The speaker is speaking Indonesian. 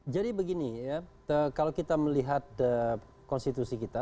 jadi begini ya kalau kita melihat konstitusi kita